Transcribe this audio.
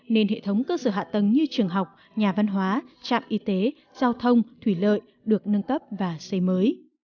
nên hệ thống cơ sở hạ tầng như trường học nhà văn hóa trạm y tế giao thông thủy lợi được nâng cấp và xây mới